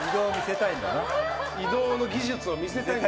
移動の技術を見せたいんだ。